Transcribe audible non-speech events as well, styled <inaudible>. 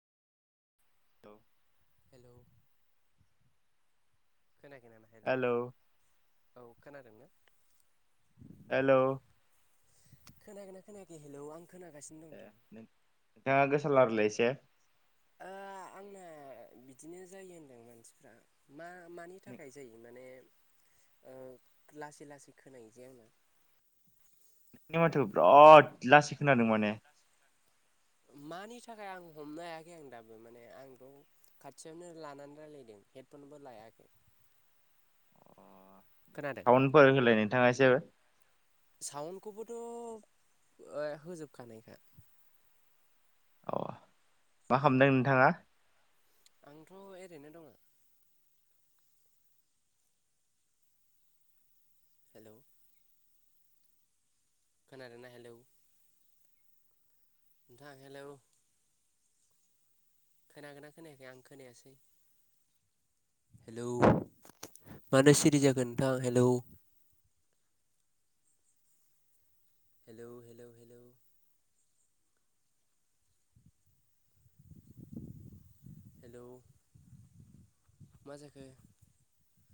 <inaudible> <inaudible> खोनाखै नामा? Hello hello औ खोनादों दे। हेल' खोनागोना खोनायाखै? हेलौ आं खोनागासिनो ए दंथ' नोंथाङा गोसा रायलाइलाय एसे ओ आंना बिदिनो जायो होनदों मानसिफ्रा मा मानि नोंनि थाखाय जायो माने लासै लासै खोनाय जे आंना नोंनि माथोखौ बिराद लासै खोनादों माने <inaudible> मानि थाखाय आं हमनो हायाखै आं दाबो माने आंथ' खाथियावनो लानानै रायजलायदों हेदफन बो लायाखै <inaudible> खोनादों? साउनफोर होलाय नोंथाङा एसे साउन्डखौबोथ' ओ होजोबखानायखा अ मा खालामदों नोंथाङा? आंथ' ओरैनो दङ <inaudible> खोनादोंना? हेलौ हेलौ खोनागोनना खोनायाखै आं खोनायासै हेलौ मानोथोसिरि जाखो नोंथां hello hello hello hello hello मा जाखो